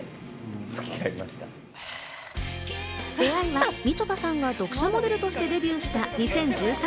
出会いは、みちょぱさんが読者モデルとしてデビューした２０１３年。